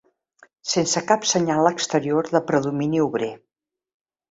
Sense cap senyal exterior de predomini obrer